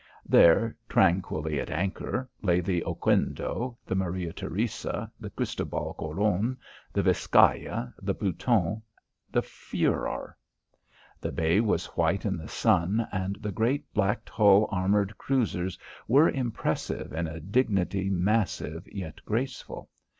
There, tranquilly at anchor, lay the Oquendo, the Maria Theresa, the Christobal Colon, the Viscaya, the Pluton, the Furor. The bay was white in the sun and the great blacked hull armoured cruisers were impressive in a dignity massive yet graceful.